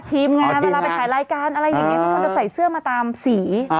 ทีมงานเวลาไปถ่ายรายการอะไรอย่างนี้ทุกคนจะใส่เสื้อมาตามสี